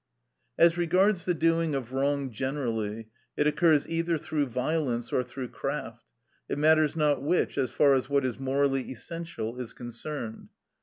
As regards the doing of wrong generally, it occurs either through violence or through craft; it matters not which as far as what is morally essential is concerned.